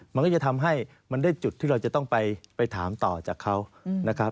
มันก็จะทำให้มันได้จุดที่เราจะต้องไปถามต่อจากเขานะครับ